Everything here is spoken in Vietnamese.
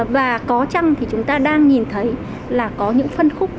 và có chăng thì chúng ta đang nhìn thấy là có những phân khúc